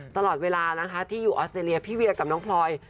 ตลอดเวลานะคะที่อยู่ออสเตรเลียพี่เวียกับน้องพลอย